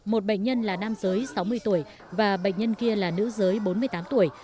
một bệnh nhân là nam giới sáu mươi tuổi và bệnh nhân kia là nữ giới bốn mươi tám tuổi